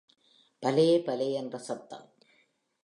பலே பலே என்ற சத்தம்!!!